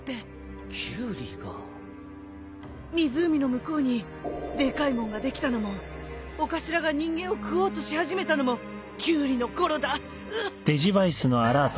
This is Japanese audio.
湖の向こうにでかいもんができたのもお頭が人間を食おうとし始めたのもキュウリのころだゲホゲホ。